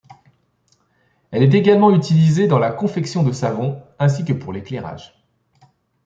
Elle est également utilisée dans la confection de savons, ainsi que pour l’éclairage.